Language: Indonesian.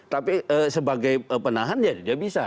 tapi sebagai penahan ya dia bisa